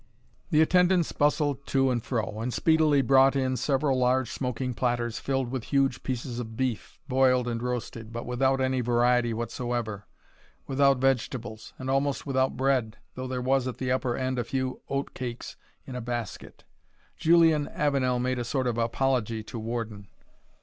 The attendants bustled to and fro, and speedily brought in several large smoking platters filled with huge pieces of beef, boiled and roasted, but without any variety whatsoever; without vegetables, and almost without bread, though there was at the upper end a few oat cakes in a basket. Julian Avenel made a sort of apology to Warden.